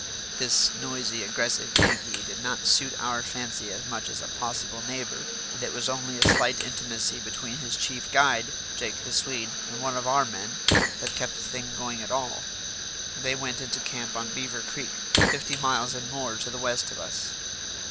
This noisy, aggressive Yankee did not suit our fancy much as a possible neighbour, and it was only a slight intimacy between his chief guide, Jake the Swede, and one of our men that kept the thing going at all. They went into camp on Beaver Creek, fifty miles and more to the west of us.